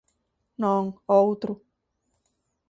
Non, o outro.